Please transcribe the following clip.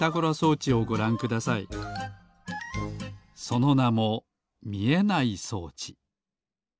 そのなもみえない装置。